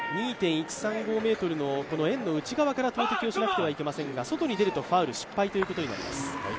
２．１３５ｍの円の内側から投てきをしなければなりませんが、外に出るとファウル、失敗ということになります。